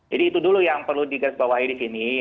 jadi itu dulu yang perlu digerisbawahi di sini